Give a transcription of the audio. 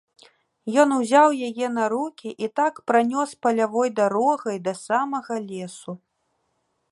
Ён узяў яе на рукі і так пранёс палявой дарогай да самага лесу.